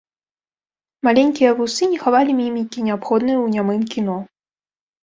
Маленькія вусы не хавалі мімікі, неабходнай ў нямым кіно.